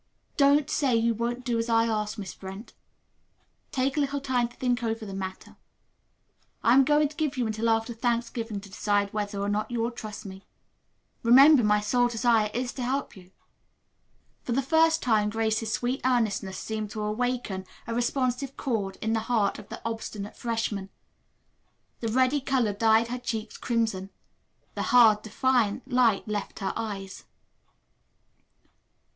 "Don't say you won't do as I ask, Miss Brent. Take a little time to think over the matter. I am going to give you until after Thanksgiving to decide whether or not you will trust me. Remember my sole desire is to help you." For the first time Grace's sweet earnestness seemed to awaken a responsive chord in the heart of the obstinate freshman. The ready color dyed her cheeks crimson. The hard, defiant light left her eyes.